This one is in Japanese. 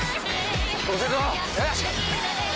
遅えぞ！